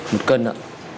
một cân ạ